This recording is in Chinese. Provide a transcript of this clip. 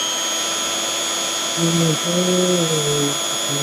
接受过国外教育的沙比提被推举为总理。